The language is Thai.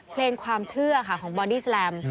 เพลงความเชื่อค่ะของบอดี้แลม